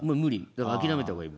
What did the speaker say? だから諦めた方がいい。